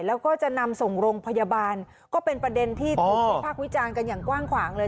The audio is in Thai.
แล้วก็จะนำส่งโรงพยาบาลก็เป็นประเด็นที่ถูกวิพากษ์วิจารณ์กันอย่างกว้างขวางเลย